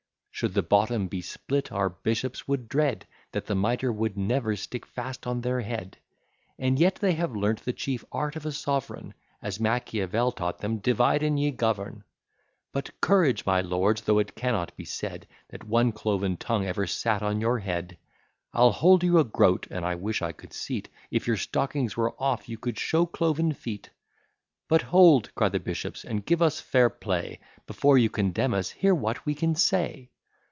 Should the bottom be split, our bishops would dread That the mitre would never stick fast on their head: And yet they have learnt the chief art of a sovereign, As Machiavel taught them, "divide and ye govern." But courage, my lords, though it cannot be said That one cloven tongue ever sat on your head; I'll hold you a groat (and I wish I could see't) If your stockings were off, you could show cloven feet. But hold, cry the bishops, and give us fair play; Before you condemn us, hear what we can say.